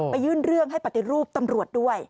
ยื่นเรื่องให้ปฏิรูปตำรวจด้วย